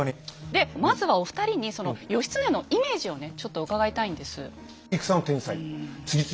でまずはお二人にその義経のイメージをねちょっと伺いたいんです。